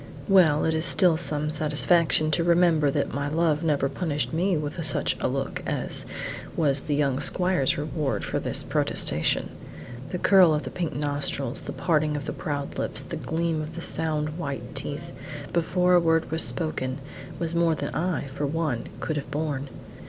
Well, it is still some satisfaction to remember that my love never punished me with such a look as was the young squire's reward for this protestation. The curl of the pink nostrils, the parting of the proud lips, the gleam of the sound white teeth, before a word was spoken, were more than I, for one, could have borne.